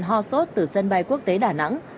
ho sốt từ sân bay quốc tế đà nẵng